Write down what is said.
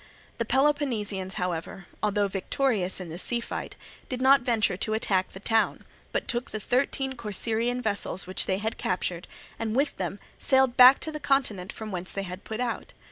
The Peloponnesians, however, although victorious in the sea fight, did not venture to attack the town, but took the thirteen Corcyraean vessels which they had captured, and with them sailed back to the continent from whence they had put out.